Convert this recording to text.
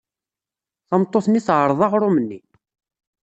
Tameṭṭut-nni teɛreḍ aɣrum-nni.